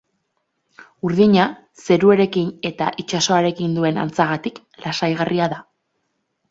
Urdina, zeruarekin eta itsasoarekin duen antzagatik, lasaigarria da.